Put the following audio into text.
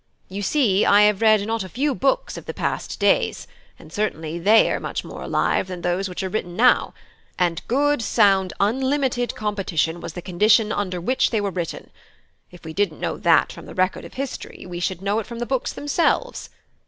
You see, I have read not a few books of the past days, and certainly they are much more alive than those which are written now; and good sound unlimited competition was the condition under which they were written, if we didn't know that from the record of history, we should know it from the books themselves.